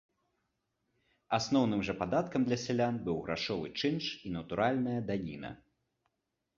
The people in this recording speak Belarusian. Асноўным жа падаткам для сялян быў грашовы чынш і натуральная даніна.